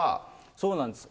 そうなんです。